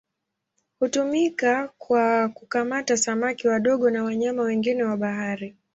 Hutumika kwa kukamata samaki wadogo na wanyama wengine wa bahari.